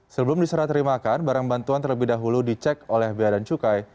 sebelum diserah terimakan barang bantuan terlebih dahulu dicek oleh bnc